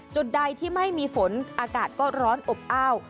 จุดใดที่ไม่มีฝนอากาศก็ร้อนอบอ้าว